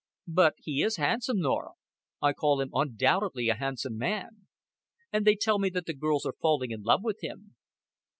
"But he is handsome, Norah. I call him undoubtedly a handsome man. And they tell me that the girls are falling in love with him."